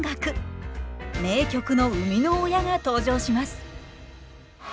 名曲の生みの親が登場します。